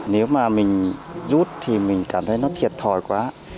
nếu mà mình rút thì mình cảm thấy nó thiệt thòi quá